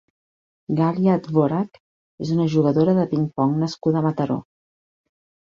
Gàlia Dvorak és una jugadora de ping-pong nascuda a Mataró.